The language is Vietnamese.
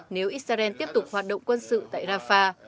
nếu israel tiếp tục hoạt động quân sự tại rafah